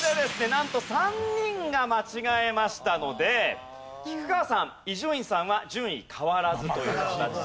なんと３人が間違えましたので菊川さん伊集院さんは順位変わらずという。